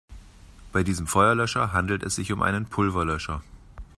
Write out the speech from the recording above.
Bei diesem Feuerlöscher handelt es sich um einen Pulverlöscher.